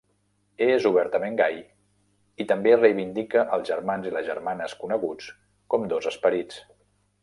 És obertament gai i també reivindica els germans i les germanes coneguts com dos esperits.